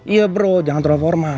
iya bro jangan terlalu formal